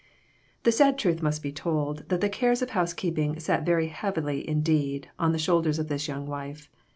The sad truth must be told that the cares of housekeeping sat very heavily indeed, on the shoulders of this young wife.